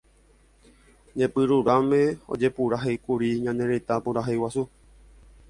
Ñepyrũrãme ojepurahéikuri Ñane Retã Purahéi Guasu.